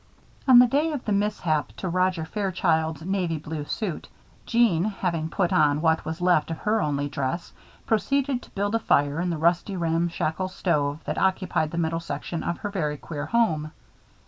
On the day of the mishap to Roger Fairchild's navy blue suit, Jeanne, having put on what was left of her only dress, proceeded to build a fire in the rusty, ramshackle stove that occupied the middle section of her very queer home.